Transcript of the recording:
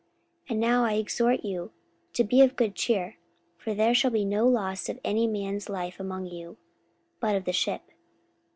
44:027:022 And now I exhort you to be of good cheer: for there shall be no loss of any man's life among you, but of the ship.